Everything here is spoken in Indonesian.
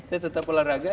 saya tetap olahraga